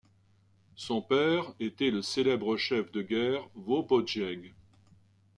Son père était le célèbre chef de guerre Waubojeeg.